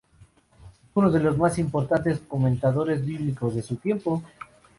Fue uno de los más importantes comentadores bíblicos de su tiempo.